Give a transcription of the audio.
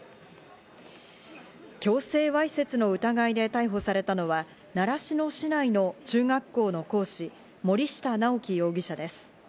強制わいせつの疑いで逮捕されたのは、習志野市内の中学校の講師・森下直樹容疑者です。